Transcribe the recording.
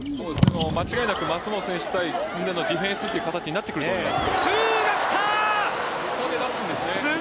間違いなく舛本選手対駿台のディフェンスという形になってくると思います。